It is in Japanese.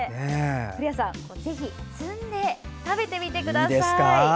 古谷さん、ぜひ摘んで食べてみてください。